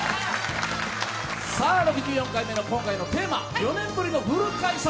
６４回目の今回のテーマ、「４年ぶりのフル開催！